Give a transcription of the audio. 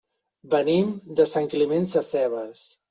Venim de Sant Climent Sescebes.